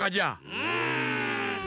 うん！